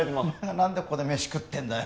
何でここで飯食ってんだよ？